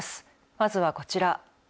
まずはこちら。